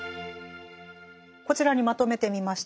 こちらにまとめてみました。